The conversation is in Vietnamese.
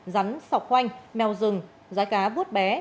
rắn sọc khoanh mèo rừng rái cá vút bé